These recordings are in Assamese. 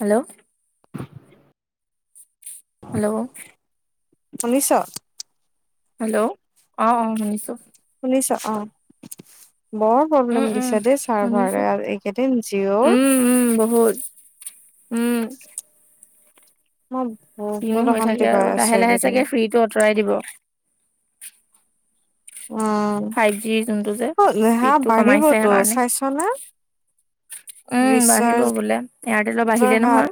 হেল্ল'! [inaudible] হেল্ল'! শুনিছ? হেল্ল'! অ', অ', শুনিছো। শুনিছ অ', ব উম প্ৰব্লেম উম দিছে দেই শুনিছো চাৰ্ভাৰে। এই এইকেইদিন জিঅ'ৰ উম উম, বহুত। উম। মই বহুত অশান্তি পাই আছো এইকেইদিন। ভি টো আঁতৰাই দিব। উম ফাইভ জি যোনটো যে অ হা স্পীডটো কমাইছে বাঢ়িবতো সেইকাৰণে। চাইছ নে উম বাঢ়িব ৰিচাৰ্জৰ বোলে। এয়াৰটেলৰ বাঢ়িলে হাৰ নহয়।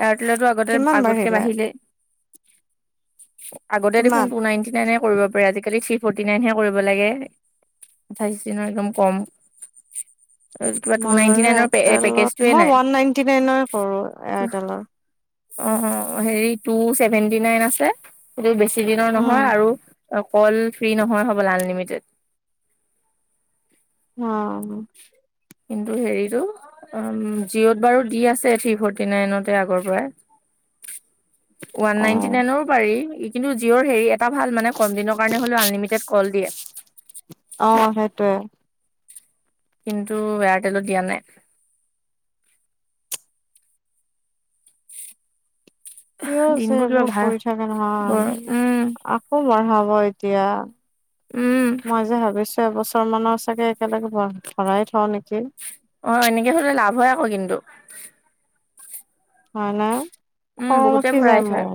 এয়াৰটেলৰটো আগতে আগতকে বাঢ়িলে। আগতে দেখোন কিমান টু নাইনটি নাইনে কৰিব পাৰে, আজিকালি থ্ৰী ফৰ্টি। নাইনহে কৰিব লাগে। আঠাইছ দিনৰ একদম কম। কিবা টু মই নাইনটি বাৰু নাইনৰ এয়াৰটেলত, পেকেজটোৱে মই নাই ওৱান নাইনটি নাইনৰে কৰো এয়াৰটেলৰ। অ', অ', হেৰি টু চেভেন্টি নাইন আছে। কিন্তু বেছি দিনৰ উম নহয় আৰু অ', কল ফ্ৰী নহয় হ'বলা আনলিমিটেড। অ'। কিন্তু হেৰিটো অ', জিঅ'ত বাৰু দি আছে থ্ৰী ফৰ্টি নাইনতে আগৰ পৰাই। ওৱান অ নাইনটি অ নাইনৰো পাৰি। কিন্তু জিঅ'ৰ হেৰি এটা ভাল মানে কম দিনৰ কাৰণে হ'লেও আনলিমিটেড কল দিয়ে। অ', হেটোৱে। কিন্তু এয়াৰটেলত দিয়া নাই। সিয়ো আছে দিনবোৰ কিবা এইবোৰ ভাল কৰি থাকে গৰ উম নহয়। আকৌ বঢ়াব এতিয়া। উম মই যে ভাবিছো এবছৰ মানৰ চাগে একেলগে ভৰাই থওঁ নেকি। অ', এনেকে হ'লে লাভ হয় আকৌ কিন্তু। হয় নে, উম খং বহুতে উঠি ভৰাই যায় থয় মোৰ।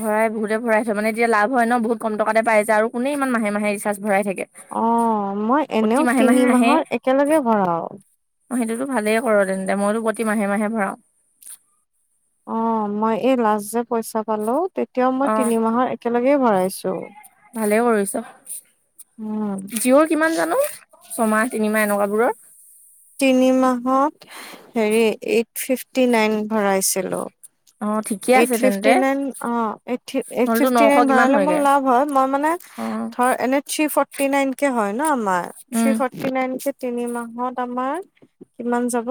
ভৰাই বহুতে ভৰাই থয়। মানে এতিয়া লাভ হয় ন বহুত কম টকাতে পাই যায় আৰু কোনে ইমান মাহে মাহে ৰিচাৰ্জ ভৰাই থাকে। অ', মই প্ৰতি এনেও মাহে তিনি মাহে আহে মাহৰ একেলগে ভৰাও। অ', সেইটোতো ভালেই কৰ তেন্তে। মইতো প্ৰতি মাহে-মাহে ভৰাও। অ', মই এই লাষ্ট যে পইচা পালো, তেতিয়াও মই অ তিনি মাহৰ একেলগে ভৰাইছো। ভালে উম কৰিছ। জিঅ'ৰ কিমান জানো ছমাহ-তিনিমাহ এনেকুৱাবোৰৰ? তিনি মাহত হেৰি এইট ফিফটি নাইন ভৰাইছিলো। অ'। ঠিকে এইট আছে তেন্তে ফিফটী নাইন অ ', এইট থ্ৰী এইট নহ'লেতো ফিফটি নশ নাইন কিমান ভৰালে মোৰ হয়গে লাভ হয়। মই মানে অ ধৰ এনে থ্ৰী ফৰ্টি নাইন কে হয় ন আমাৰ। থ্ৰী উম ফৰ্টি নাইন কে তিনি মাহত আমাৰ কিমান যাব?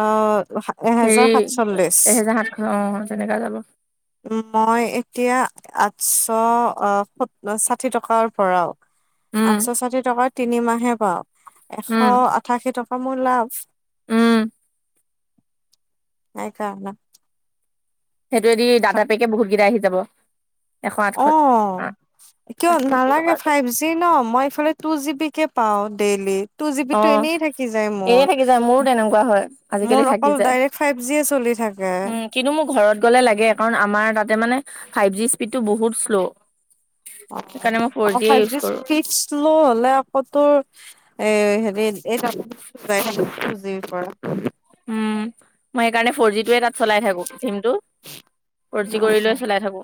অ' এহেজাৰ হেৰি, সাতচল্লিশ। এহেজাৰ সাত অ' তেনেকুৱাই যাব। মই এতিয়া আঠশ ষাঠি টকাৰ ভৰাও। উম আঠশ ষাঠি টকা তিনিমাহে পাও, এশ উম আঠাশী টকা মোৰ লাভ। উম সেইকাৰণেই। সেইটোৱেদি দাদা পেকে বহুতকেইটা আহি যাব। এশ আঠশত অ', কিয় আঠসত্তৰ নালাগে টকাকে ফাইভ জি ন মই এইফালে টু জিবি কে পাওঁ ডেইলি। টু জি বি অ টো এনেই থাকি যায় মোৰ, এনে থাকি যায় মোৰো তেনেকুৱা হয় মোৰ আজিকালি থাকি অকল যায় ডাই্ ফাইভ জি এ চলি থাকে। উম কিন্তু মোৰ ঘৰত গ'লে লাগে, কাৰণ আমাৰ তাতে মানে ফাইভ জি স্পীডতটো বহুত শ্ল'। সেইকাৰণে মই ফ'ৰ অ' জিয়ে ফাইভ ইউজ জি কৰোঁ স্পীড শ্ল' হলে আকৌ তোৰ এ হেৰি, এই [unintelligible] যুজিৰ পৰা। উম, মই সেইকাৰণে ফৰ জি টোয়ে তাত চলাই থাকো চিমটো। ফ'ৰ জি নাই কৰি লৈ নাই। চলাই থাকো,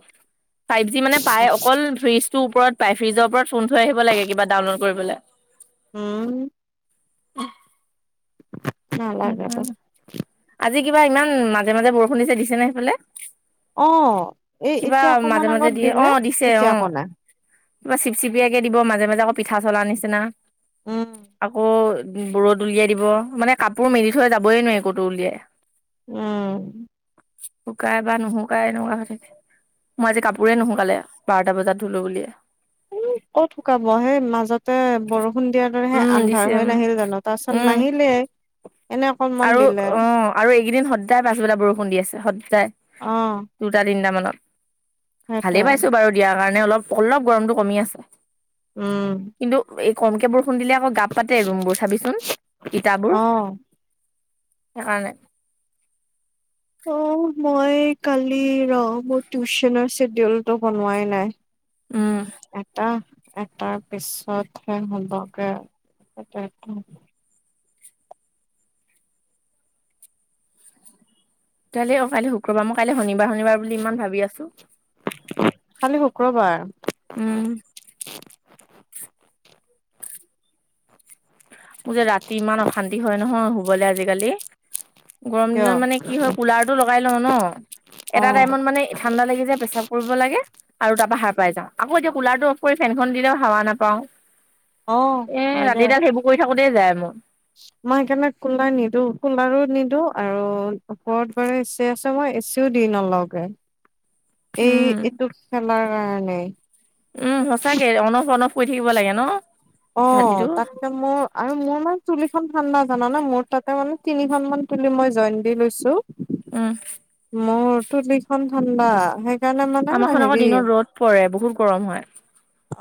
ফাইভ জি মানে পাই অকল ফ্ৰিজ ওপৰত পাই, ফিজৰ ওপৰত ফোন থৈ আহিব লাগে, কিবা ডাউনলড কৰিবলৈ। উম। নালাগেতো সেইকাৰণে, আজি কিবা ইমান মাজে মাজে বৰষুণ দিছে, দিছে ন সেইফালে। অ এই কিবা এতিয়া অকমান মাজে মাজে আগত দিয়ে, দিলে অ' দিছে এতিয়া অ'। আকৌ নাই কিবা চিপচিপিয়াকে দিব মাজে মাজে আকৌ পিঠা চলা নিচিনা, উম আকৌ বোৰত উলিয়াই দিব, মানে কাপোৰ মেলি থৈ যাবই নোৱাৰি কতো উলিয়াই। উম। শুকাই বা নুশুকাই এনেকুৱা হৈ থাকে। মই আজি কাপোৰেই নুশোকালে, বাৰটা বজাত ধুলো বুলিয়েই। উ ক'ত শুকাব সেই মাজতে বৰষুণ দিয়াৰ দৰে সেই উম আন্ধাৰ দিছে হৈ উম নাহিল জানো। তাৰ পাছত উম নাহিলে, এনে অকনমান আৰু দিলে অ' আৰু এইকেইদিন সদায় পাছবেলা বৰষুণ দি আছে, সদায়। অ দুটা তিনিট মানত, সেইটোৱে ভালেই পাইছো বাৰু দিয়াৰ কাৰণে অলপ, অলপ গৰমটো কমি আছে। উম কিন্তু এই কমকে বৰষুণ দিলে আকৌ গাপ পাতে ৰুম বোৰ, চাবিচোন ইটাবোৰ। অ সেইকাৰণেই। অ' মই কালি ৰ মোৰ টিউচ্যনৰ চেডিউলটো বনোৱাই নাই। উম, এটা। এটাৰ পিছতহে হ'বগে। কালৈ অ' কালি শুক্ৰবাৰ মই কালিলৈ শনিবাৰ শনিবাৰ বুলি ইমান ভাবি আছো, কালি শুক্ৰবাৰ উম। মোৰ যে ৰাতি ইমান অশান্তি হয় নহয় শুবলৈ আজিকালি। গৰম কিয় দিনত মানে কি হয় কুলাৰটো লগাই লওঁ ন। এটা অ টাইমত মানে ঠাণ্ডা লাগি যায় পেছাব কৰিব লাগে, আৰু তাৰপাহাৰ পাই যাওঁ, আকৌ এতিয়া কুলাৰ টো অফ কৰি ফেনখন দিলেও হাৱা নাপাওঁ। অ এ হয় দে ৰাতি দাল সেইবোৰ কৰি থাকোতে যায় মোৰ। মই সেইকাৰণে কোলাৰ নিদো কোলাৰো নিদো আৰু ওপৰত ব আছে মই এচিও দি নলগে, এই উম, এইটো খেলাৰ কাৰণে। উম সচাকে অন অফ অন অফ কৰি থাকিব লাগে ন। অ' ৰাতিটো তাক মোৰ আৰু মোৰ মানে তুলিখন ঠাণ্ডা জান ন মোৰ তাতে মানে তিনিখন মান তুলি মই জইন দি লৈছো। উম। মোৰ তুলিখন ঠাণ্ডা সেইকাৰণে মানে আমাৰখন আকৌ হেৰি দিনত ৰ'দ পৰে, বহুত গৰম হয়।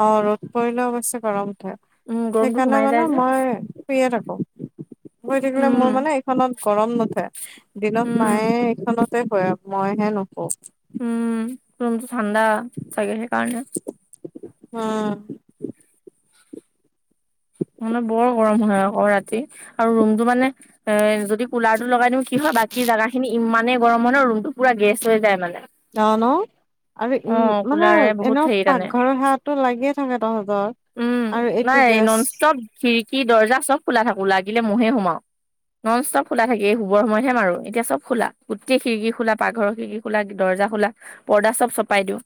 অ' ৰ'দ পৰিলে অৱশ্যে গৰম উঠে, উম, গৰমটো সেইকাৰণে সোমাই যায় মানে যে মই শুয়ে থাকো, শুই থাকিলে উম। মোৰ মানে এইখনত গৰম নুঠে। দিনত উম, মায়ে এইখনতে শুয়ে। মইহে নুশু। উম। ৰুমটো ঠাণ্ডা চাগে সেইকাৰণে। হু। মানে বৰ গৰম হয় আকৌ ৰাতি। আৰু ৰুমটো মানে এ যদি কুলাৰটো লগাই দিওঁ। কি হয় বাকী জেগাখিনি ইমানেই গৰম হয় ন ৰুমটো পুৰা গেছ হৈ যায় মানে। অ', ন। আৰু উম, অ', মানে কুলাৰে বহুত এনেও হেৰি টানে পাকঘৰৰ হাৱাটো লাগিয়ে থাকে তহঁতৰ। উম, আৰু নাই এইটোকে নন ষ্টপ খিৰকি, দৰ্জা চব খোলা থাকো। লাগিলে মহে সোমাও। ননষ্টপ খোলা থাকে। শুবৰ সময়তহে মাৰো। এতিয়া চব খোলা। গোটেই খিৰকি খোলা, পাকঘৰ খিৰিকি খোলাক। দৰ্জা খোলাক, পৰ্দা চব চপাই দিওঁ।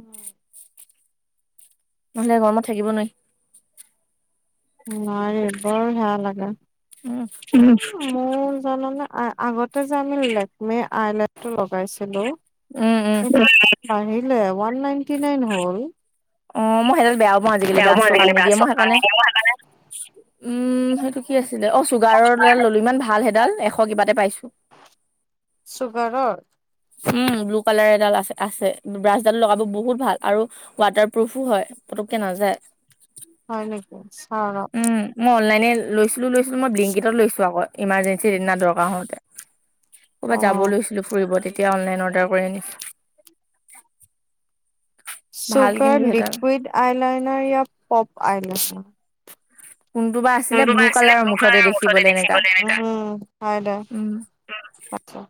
উম। নহ'লে গৰমত থাকিব নোৱাৰি। নোৱাৰি। বৰ হেয়া উম লাগে। উম। মোৰ জাননে আ আগতে যে আমি লেকমিৰ আইলেটটো লগাইছিলো। উম উম [inaudible] আহিলে। ওৱান নাইনটি নাইন হ'ল। অ', মই সেইডাল বেয়াও পাওঁ আজিকালি। ব্ৰাছটো কাম নিদিয়ে মই সেইকাৰণে উম। সেইটো কি আছিলে? অ', চুগাৰৰডাল ললোঁ। ইমান ভাল সেইডাল। এশ কিবাতে পাইছোঁ। চুগাৰৰ? উম। ব্লু কালাৰ এডাল আছে আছে। ব্ৰাছডাল লগাব বহুত ভাল। আৰু ৱাটাৰপ্ৰুফো হয়। পুতুকে নাযায়। হয় নেকি? চাওঁ ৰ। উম মই অনলাইনে লৈছিলো লৈছিলো মই ব্লিংকিতত লৈছো আকৌ। ইমাৰ্জেঞ্চিত সেইদিনা দৰকাৰ হওঁতে। ক'ৰবাত যাব অ লৈছিলো ফুৰিব। তেতিয়া অনলাইন অৰ্ডাৰ কৰি আনিছ ভাল কিন্তু চুগাৰ সেইডাল লিকুইড আইলাইনাৰ য়া পপ আইলাইনাৰ? মুুনু বা আছিলে ব্লু কালাৰৰ মুঠতে দেখিবলে এনেকা। অ', অ', হয় দে। উম আচ্ছা।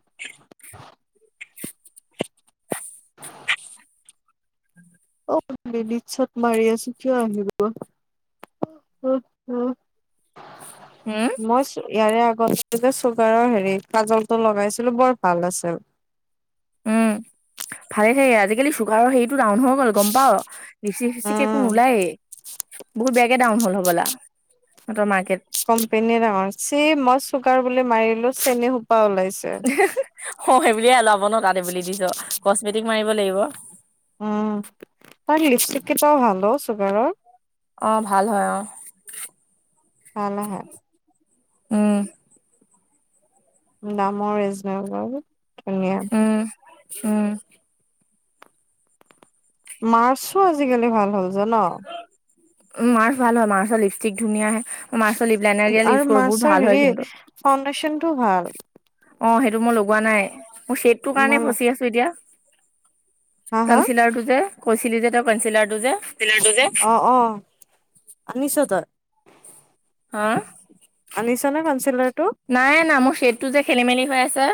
অ', মিনি চত মাৰি আছো কিয় আহিব। অ', অ'। হুম? মই চু ইয়াৰে আগতে যে চুগাৰৰ হেৰি কাজলটো লগাইছিলো বৰ ভাল আছিল। উম। ভালে থাকে। আজিকালি চুগাৰৰ হেৰিটো ডাউন হৈ গ'ল, গম পাৱ? লিপষ্টিক চিপষ্টিক একো উম নোলায়ে। বহুত বেয়াকে ডাউন হ'ল হ'বলা সিহঁতৰ মাৰ্কেট। কোম্পানী ডাঙৰ। ছেম মই চুগাৰ বুলি মাৰিলো চেনী সোপা ওলাইছ অ', সেইবুলিয়ে ওলাব ন তাত সেইবুলি দিছ। কচমেটিক মাৰিব লাগিব। উম। তাৰ লিপষ্টিক কেটাও ভাল অ', চুগাৰৰ। অ', ভাল হয় অ'। ভাল আহে। উম। দামৰ ৰেজনেবল। উম, উম। মাৰ্চো আজিকালি ভাল হ'ল জান? উম মাৰ্চ ভাল হয় মাৰ্চৰ লিপষ্টিক ধুনীয়া আহে। মাৰ্চ লিপলাইনাৰকেইডাল আৰু ইউচ কৰো। বহু মাৰ্চৰ ভাল হয় হেৰি কিন্তু। ফাউণ্ডেশ্যনটো ভাল। অ', সেইটো মই লগোৱা নাই। মোৰ সেইটোৰ কাৰণে মই ফচি আছো এতিয়া। হা হা কঞ্চিলাৰটো যে কৈছিলি যে তেওঁ কঞ্চিলাৰটো যে। কঞ্চিলাৰটো যে। অ', অ', আনিছ তই? হা আনিছ নে কঞ্চিলাৰটো? নাই অনা। মোৰ সেইটো যে খেলি-মেলি হৈ আছে।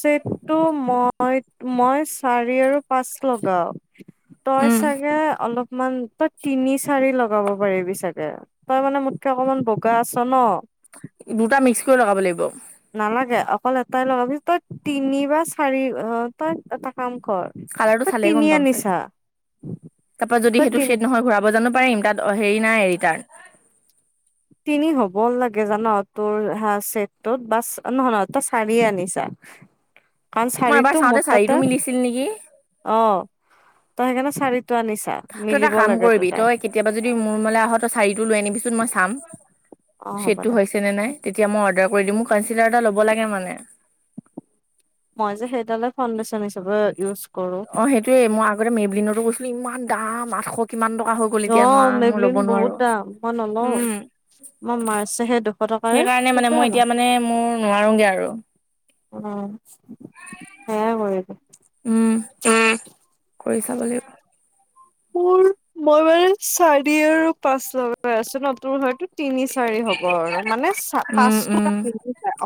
চেদটো মই মই চাৰি আৰু পাঁচ লগাও। তই উম চাগে অলপমান, তই তিনি চাৰি লগাব পাৰিবি চাগে। তই মানে মোতকে অকমান বগা আছ ন। দুটা মিক্স কৰি লগাব লাগিব? নালাগে অকল এটাই লগাবি, তই তিনি বা চাৰি, অ' তই এটা কাম কৰ। কালাৰটো তই চালেই তিনি গম পাম চাগে, আনিছা তাৰ পৰা যদি তই সেইটো তি শ্বেদ নহয় ঘুৰা জানো পাৰিম তাত হেৰি নাই ৰিটাৰ্ণ। তিনি হ'ব লাগে জান তোৰ হ চছেটত বাছ নহয় নহ তই চাৰিয়ে আনি ছা। মই এবাৰ চাওঁতে চাৰিটো মিলিছিল নেকি? অ' তই সেইকাৰণে চাৰিটো আনি ছা তই এটা মিলিব কাম লাগে কৰিবি তোৰ তই তাত। কেতিয়াবা যদি মোৰ ৰুমমলৈ আহঁ, তই চাৰি টো লৈ আনিবিচোন মই চাম, অ হ'ব চেদটো দে হৈছে তেনে নাই, তেতিয়া মই অৰ্ডাৰ কৰি দিম মোৰ কনঞ্চিলাৰ এটা ল'ব লাগে মানে। মই যে সেইডালে ফাউডেশচন হিচাপে ইউজ কৰো অ' সেইটোয়ে মই আগতে মেবলিনতো কৰিছিলো, ইমান দাম আঠশ কিমান টকা হল। গল এ অ এতিয়া লব নোৱাৰোৱা, মই ল'ব মেবলিন বহুত নোৱাৰো, দাম মই নলওঁ উম। মই মাৰ্চেহে দুশ টকাৰে সেইকাৰণে মানে সেইটোৱে মই লওঁ এতিয়া মানে মোৰ নোৱাৰোগে আৰু। উম, সেয়া হয়। উম, কৰি চাব লাগিব। মোৰ, মই মানে চাৰি আৰু পাঁচ লগাই আছোঁ, ন তোৰ হইটো তিনি চাৰি হ'ব আৰু, মানে চ উম, পাঁচটো উম,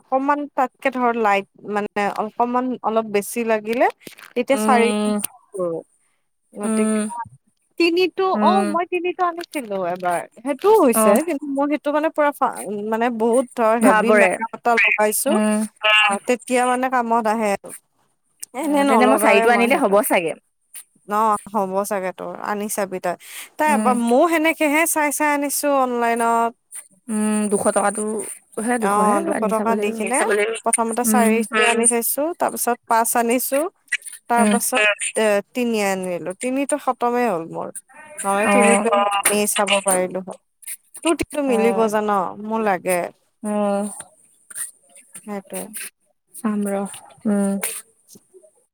অকমান তাতকে ধৰ লাইট মানে, অলকমান অলপ বেছি লাগিলে তেতিয়া চাৰি উম, কৰ, গতিকে উম, তিনিটো অ' উম, মই তিনিটো আনিছিলো, এবাৰ সেইটোও হৈছে। অহ, মই সেইটো মানে পুৰা মানে বহুত ধৰ ধৰা হেভি পৰে। মেকআপ এটা লগাইছোঁ। উম, তেতিয়া মানে কামত আহে, আৰু এনেই অ', তেন্তে নলগাওে চাৰিটো মই আনিলে হ'ব সেতু। চাগে। ন হ'ব চাগে তোৰ, আনি চাবি তই, তাই উম, মোৰ সেনেকে সেনেকে হে চাই চাই আনিছোঁ অনলাইনত। উম দুশ টকাটো, হে অ দুশহে ল দুশ আনি চাব টকা দি লাগিব। কিনে প্ৰথমতে উম, চাৰি আনি চাইছো, তাৰ পাছত পাঁচ আনিছো, তাৰ উম, পাছত এ তিনি আনিলো, তিনিতো খতমেই হ'ল মোৰ। হয় অ', টিনিটো আমি চাব পাৰিলো হয়। তোৰ টিতো মিলিব অ', জান মোৰ লাগে। অ', সেইটোৱেই। চাম ৰ, উম। [unintelligible]